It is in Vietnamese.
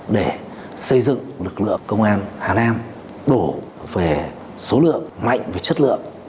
để xây dựng lực lượng công an hà nam đổ về số lượng mạnh về chất lượng